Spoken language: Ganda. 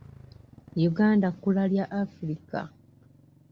Uganda kkula lya Africa.